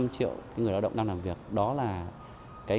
năm mươi năm triệu người đào động đang làm việc